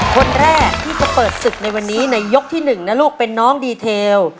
คนแรกที่จะเปิดศึกในวันนี้ในยกที่๑นะลูกเป็นน้องดีเทล